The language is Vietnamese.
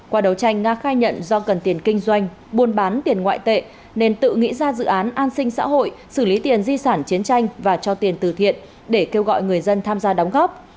qua đấu tranh nga khai nhận do cần tiền kinh doanh buôn bán tiền ngoại tệ nên tự nghĩ ra dự án an sinh xã hội xử lý tiền di sản chiến tranh và cho tiền từ thiện để kêu gọi người dân tham gia đóng góp